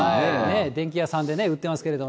電気屋さんで売ってますけれども。